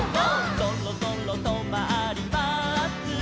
「そろそろとまります」